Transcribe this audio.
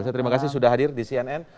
terima kasih sudah hadir di cnn